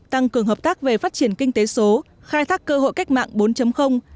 tăng cường hợp tác về phát triển kinh tế số khai thác cơ hội cách mạng bốn